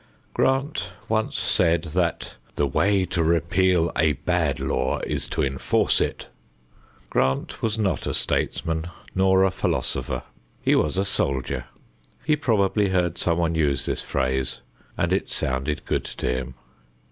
Grant once said that, "The way to repeal a bad law is to enforce it." Grant was not a statesman nor a philosopher. He was a soldier. He probably heard some one use this phrase, and it sounded good to him.